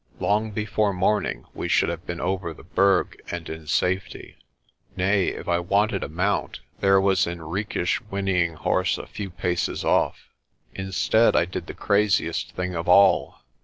Long before morning we should have been over the Berg and in safety. THE DRIFT OF THE LETABA 165 Nay, if I wanted a mount, there was Henriques' whinnying horse a few paces off. Instead I did the craziest thing of all.